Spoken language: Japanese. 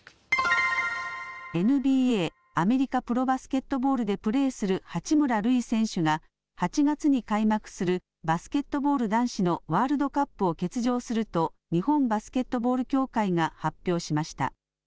ＮＢＡ・アメリカプロバスケットボールでプレーする八村塁選手が８月に開幕するバスケットボール男子のワールドカップを欠場すると日本バスケットボール協会が発表しました。